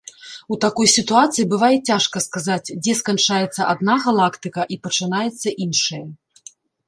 У такой сітуацыі бывае цяжка сказаць, дзе сканчаецца адна галактыка і пачынаецца іншая.